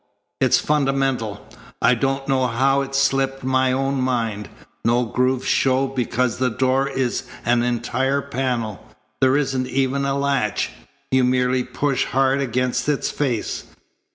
It's fundamental. I don't know how it slipped my own mind. No grooves show because the door is an entire panel. There isn't even a latch. You merely push hard against its face.